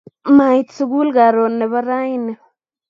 Mait sukul karon nebo raini